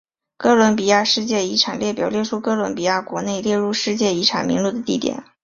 哥伦比亚世界遗产列表列出哥伦比亚国内列入世界遗产名录的地点。